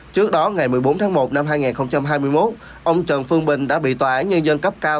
trước đó ngày một mươi bốn tháng một năm hai nghìn hai mươi một ông trần phương bình đã bị tòa án nhân dân cấp cao